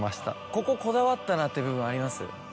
こここだわったなって部分あります？